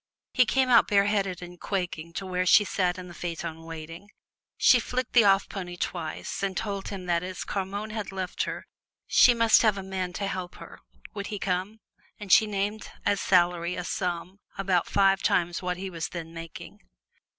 He came out bareheaded and quaking to where she sat in the phaeton waiting. She flecked the off pony twice and told him that as Carmonne had left her she must have a man to help her. Would he come? And she named as salary a sum about five times what he was then making.